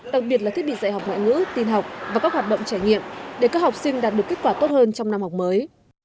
đặc biệt là thiết bị dạy học ngoại ngữ tin học và các hoạt động trải nghiệm để các học sinh đạt được kết quả tốt hơn trong năm học mới